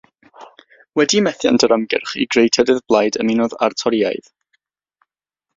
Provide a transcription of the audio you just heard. Wedi methiant yr ymgyrch i greu trydedd blaid ymunodd â'r Torïaid.